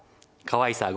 かわいさ